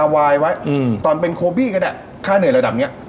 วายไว้อืมตอนเป็นโคบี้ก็แหละค่าเหนื่อยระดับเนี้ย